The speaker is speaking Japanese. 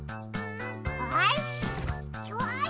よし！